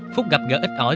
phúc gặp gỡ ít ỏi